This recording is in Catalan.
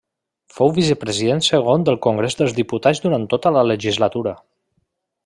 Fou vicepresident segon del Congrés dels Diputats durant tota la legislatura.